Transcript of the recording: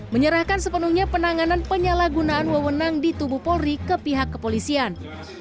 menyerahkan sepenuhnya penanganan penyalahgunaan wewenang di tubuh polri ke pihak kepolisian